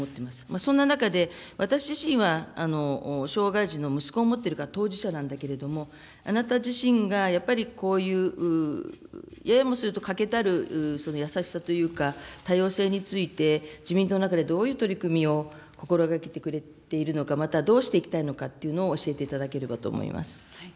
そんな中で私自身は、障害児の息子を持っているから当事者なんだけれども、あなた自身が、やっぱりこういう、ややもすると欠けたる優しさというか、多様性について、自民党の中でどういう取り組みを心がけているのか、またどうしていきたいのかというのを教えていただければと思います。